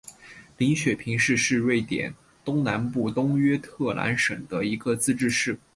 林雪平市是瑞典东南部东约特兰省的一个自治市。